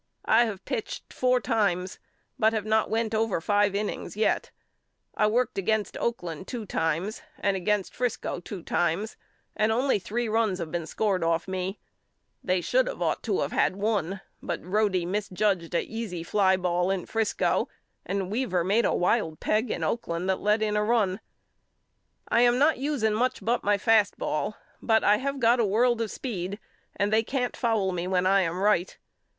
I have pitched four times but have not went over five innings yet. I worked against Oakland two times and against Frisco two times and only three runs have been scored off me. They should only ought to of had one but Rodie misjuged a easy fly ball in Frisco and Weaver made a wild peg in Oakland that let in a run. I am not using much but my fast ball but I have got a world of speed and they can't foul me when I am right.